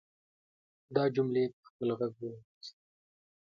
دا جملې په خپل غږ وواياست.